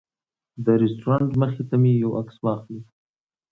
د رسټورانټ مخې ته مې یو عکس واخلي.